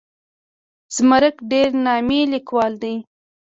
زمرک ډېر نامي لیکوال دی.